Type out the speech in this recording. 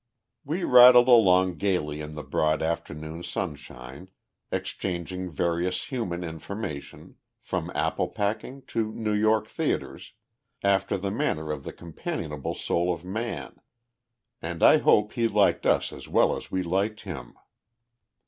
We rattled along gaily in the broad afternoon sunshine, exchanging various human information, from apple packing to New York theatres, after the manner of the companionable soul of man, and I hope he liked us as well as we liked him.